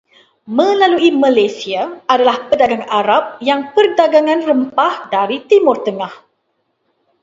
Melalui Malaysia adalah pedagang Arab yang Perdagangan rempah dari Timur Tengah.